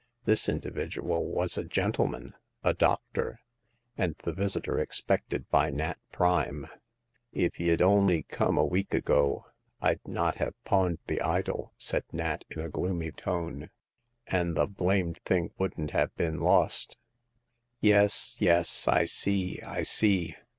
This individual was a gentleman— a doctor — and the visitor expected by Nat Prime. " If y'd on'y come a week ago, I'd not have pawned the idol," said Nat, in a gloomy tone, " an' the blamed thing wouldn't have been lost." " Yes, yes ; I see, I see.